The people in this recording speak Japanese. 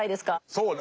そうね。